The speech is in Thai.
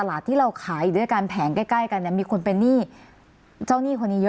มีแต่เขาไม่เปิดคุย